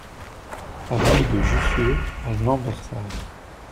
Avenue de Jussieu à Lambersart